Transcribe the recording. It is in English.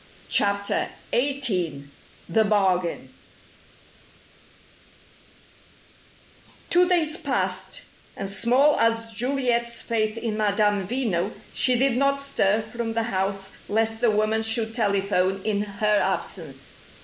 CHAPTER XVIII THE BARGAIN Two days passed; and small as was Juliet's faith in Madame Veno, she did not stir from the house lest the woman should telephone in her absence.